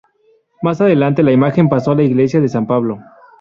Más adelante la imagen pasó a la iglesia de San Pablo.